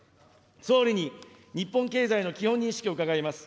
総理に日本経済の基本認識を伺います。